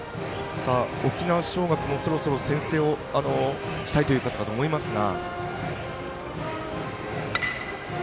沖縄尚学もそろそろ先制をしたいというところだと思いますが。